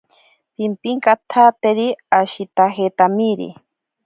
Pimpinkatsateri ashitajetamiri.